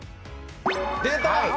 出た！